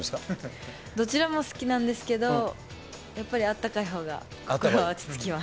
どちらも好きなんですけど、やっぱりあったかいほうが落ち着きます。